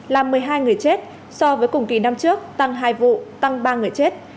làm một mươi hai người chết so với cùng kỳ năm trước tăng hai vụ tăng ba người chết